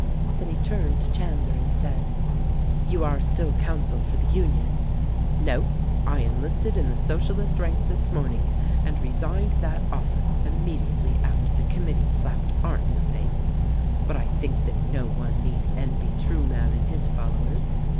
Then he turned to Chandler and said, "You are still counsel for the Union?" "No; I enlisted in the Socialist ranks this morning and resigned that office immediately after the committee slapped THE RECORDING AXGEL 271 Arndt in the face. But I think that no one need envy True man and his followers.